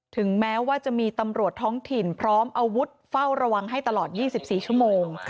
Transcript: ถึงแม้ว่าจะมีตำรวจท้องถิ่นพร้อมอาวุธเฝ้าระวังให้ตลอด๒๔ชั่วโมง